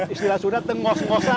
istilah sudah itu ngos ngosan